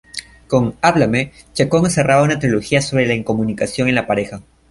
Con "Háblame", Chacón cerraba una trilogía sobre la incomunicación en la pareja.